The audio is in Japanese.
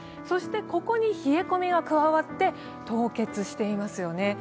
そしてここに冷え込みが加わって凍結していますよね。